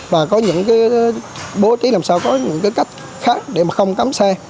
và có những cái bố trí làm sao có những cái cách khác để mà không cấm xe